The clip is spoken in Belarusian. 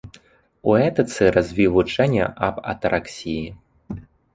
У этыцы развіў вучэнне аб атараксіі.